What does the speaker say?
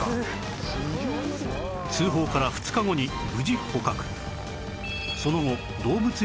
通報から２日後に無事捕獲